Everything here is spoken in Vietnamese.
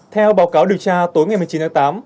theo báo cáo điều tra tối ngày một mươi chín tháng tám